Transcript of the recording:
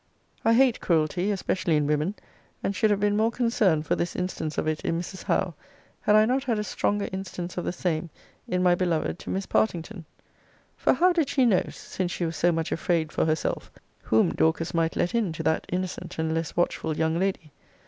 I hate cruelty, especially in women; and should have been more concerned for this instance of it in Mrs. Howe, had I not had a stronger instance of the same in my beloved to Miss Partington: For how did she know, since she was so much afraid for herself, whom Dorcas might let in to that innocent and less watchful young lady?